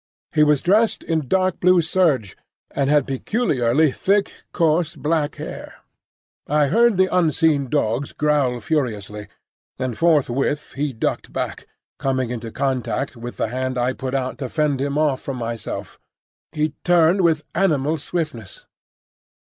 He was dressed in dark blue serge, and had peculiarly thick, coarse, black hair. I heard the unseen dogs growl furiously, and forthwith he ducked back,—coming into contact with the hand I put out to fend him off from myself. He turned with animal swiftness.